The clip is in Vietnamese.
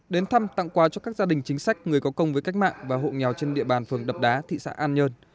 đến thăm tặng quà cho các gia đình chính sách người có công với cách mạng và hộ nghèo trên địa bàn phường đập đá thị xã an nhơn